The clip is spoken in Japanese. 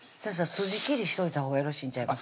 筋切りしといたほうがよろしいんちゃいます？